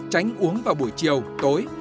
tránh uống vào buổi chiều tối